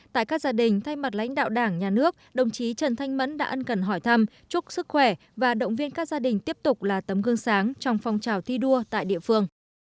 tại các gia đình thay mặt lãnh đạo đảng nhà nước đồng chí trần thanh mẫn đã ân cần hỏi thăm chúc sức khỏe và động viên các gia đình tiếp tục là tấm gương sáng trong phong trào thi đua tại địa phương